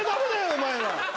お前ら。